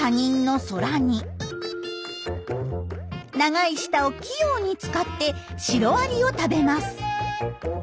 長い舌を器用に使ってシロアリを食べます。